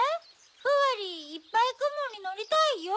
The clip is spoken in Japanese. フワリーいっぱいくもにのりたいよ！